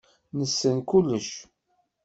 Nessen kullec.